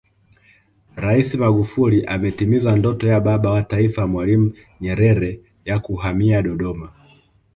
Rais Magufuli ametimiza ndoto ya Baba wa Taifa Mwalimu Nyerere ya kuhamia Dodoma